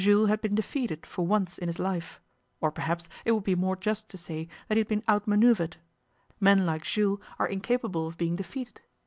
Jules had been defeated for once in his life; or perhaps it would be more just to say that he had been out manoeuvred. Men like Jules are incapable of being defeated.